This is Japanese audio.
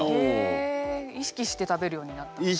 へえ意識して食べるようになったんですか？